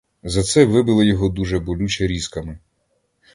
За це вибили його дуже болюче різками.